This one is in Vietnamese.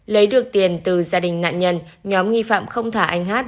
lấy được tiền từ gia đình nạn nhân nhóm nghi phạm không thả anh hát